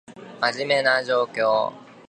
真面目な状況